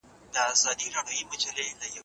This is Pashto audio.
پوهه لرونکې میندې د ماشومانو پر وزن پام ساتي.